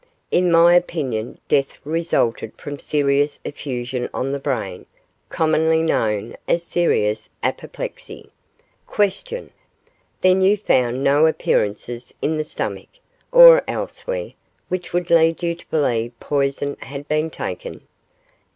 In my opinion death resulted from serous effusion on the brain, commonly known as serous apoplexy. Q. Then you found no appearances in the stomach, or elsewhere, which would lead you to believe poison had been taken?